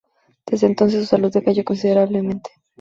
Desde entonces su salud decayó considerablemente.